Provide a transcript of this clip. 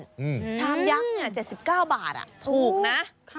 ชามยักษ์๗๙บาทถูกนะ